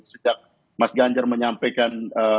sejak mas ganjar menyampaikan